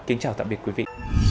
kính chào tạm biệt quý vị